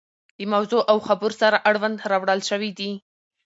له موضوع او خبور سره اړوند راوړل شوي دي.